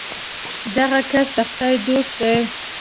دغه کس د خدای دوست دی.